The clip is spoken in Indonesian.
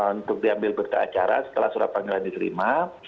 untuk diambil berita acara setelah surat panggilan diterima